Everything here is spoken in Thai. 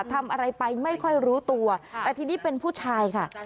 ทำอะไรไปไม่ค่อยรู้ตัวแต่ทีนี้เป็นผู้ชายค่ะ